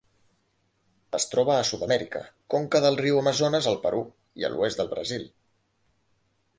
Es troba a Sud-amèrica: conca del riu Amazones al Perú i a l'oest del Brasil.